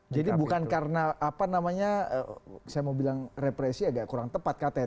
jadi bukan karena apa namanya saya mau bilang represi agak kurang tepat katanya